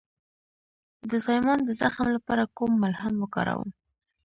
د زایمان د زخم لپاره کوم ملهم وکاروم؟